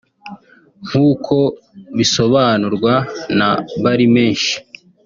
nk’uko bisobanurwa na Barimenshi